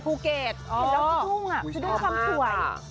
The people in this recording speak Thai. คือด้วยความสวย